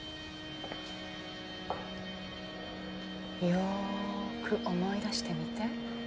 よく思い出してみて。